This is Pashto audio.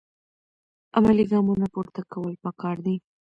عملي ګامونه پورته کول پکار دي.